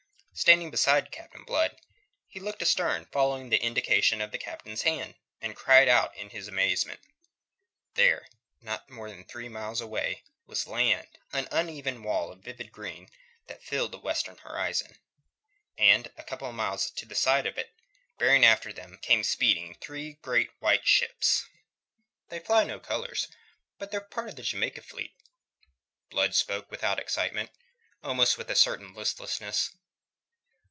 Standing beside Captain Blood, he looked astern, following the indication of the Captain's hand, and cried out in his amazement. There, not more than three miles away, was land an uneven wall of vivid green that filled the western horizon. And a couple of miles this side of it, bearing after them, came speeding three great white ships. "They fly no colours, but they're part of the Jamaica fleet." Blood spoke without excitement, almost with a certain listlessness.